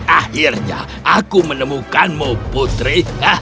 akhirnya aku menemukanmu putri